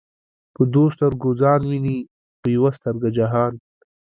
په دوو ستر گو ځان ويني په يوه سترگه جهان